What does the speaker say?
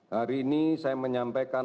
hari ini saya menyampaikan